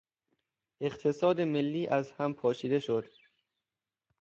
اقتصاد ملی از همپاشیده شد.